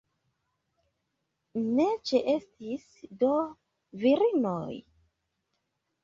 Ne ĉeestis do virinoj?